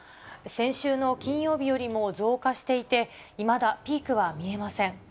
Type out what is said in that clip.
先週の金曜日よりも増加していて、いまだピークは見えません。